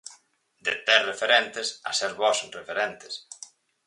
De ter referentes a ser vós referentes.